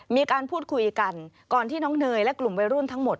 มีการพูดคุยกันก่อนที่น้องเนยและกลุ่มวัยรุ่นทั้งหมด